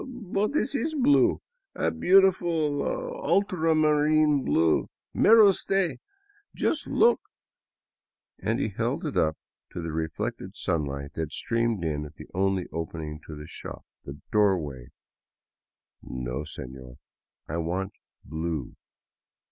" But this is blue, a beautiful ultramarine blue, mira uste '— just look," and he held it up to the reflected sunlight that streamed in at the only opening to the shop, — the doorway. " No, sefior, I want blue.'